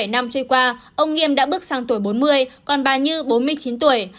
bảy năm trôi qua ông nghiêm đã bước sang tuổi bốn mươi còn bà như bốn mươi chín tuổi